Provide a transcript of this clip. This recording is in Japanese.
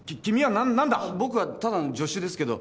僕はただの助手ですけど。